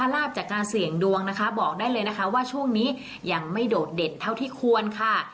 ลาบจากการเสี่ยงดวงนะคะบอกได้เลยนะคะว่าช่วงนี้ยังไม่โดดเด่นเท่าที่ควรค่ะ